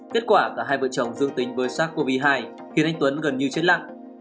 kết quả cả hai vợ chồng dương tính với sars cov hai khiến anh tuấn gần như chết lặng